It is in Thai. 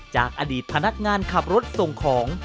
จากอดีตพนักงานขับรถส่งของ